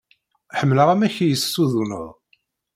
Ḥemmleɣ amek i yi-tessuduneḍ.